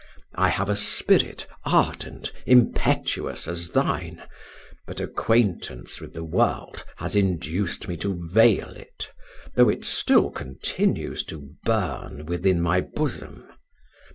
I have a spirit, ardent, impetuous as thine; but acquaintance with the world has induced me to veil it, though it still continues to burn within my bosom.